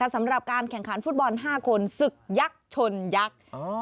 สำหรับการแข่งขันฟุตบอล๕คนศึกยักษ์ชนยักษ์